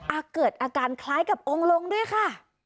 เกิดอาการคล้ายกับองค์ลงด้วยค่ะ